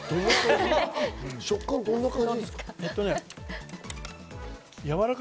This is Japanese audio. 食感どんな感じですか？